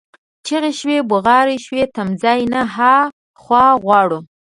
چیغي شوې، بغارې شوې: تمځي نه ها خوا غواړو،